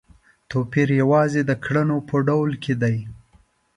توپیر یوازې د کړنو په ډول کې دی.